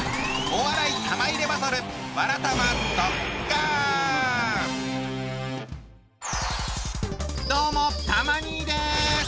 お笑い玉入れバトルどうもたま兄です。